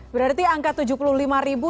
berarti angka tujuh puluh lima ribu